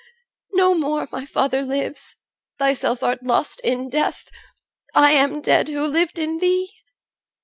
No more My father lives, thyself art lost in death, I am dead, who lived in thee.